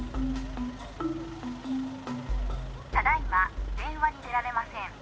「ただ今電話に出られません」